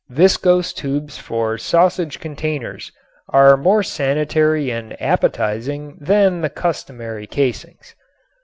Viscose tubes for sausage containers are more sanitary and appetizing than the customary casings.